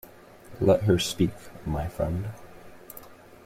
Let her speak, my friend.